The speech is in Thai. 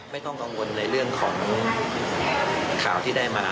ไม่ต้องกังวลในเรื่องของข่าวที่ได้มา